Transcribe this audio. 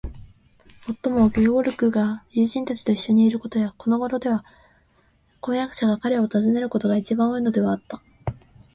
もっとも、ゲオルクが友人たちといっしょにいることや、このごろでは婚約者が彼を訪ねることが、いちばん多いのではあった。